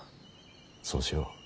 そうしよう。